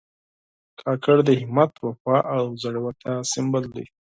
کاکړ د همت، وفا او زړورتیا سمبول دي.